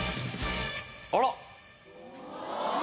あら？